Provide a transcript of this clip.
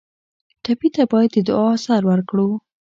ټپي ته باید د دعا اثر ورکړو.